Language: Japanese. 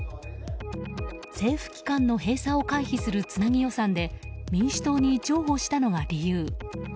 政府機関の閉鎖を回避するつなぎ予算で民主党に譲歩したのが理由。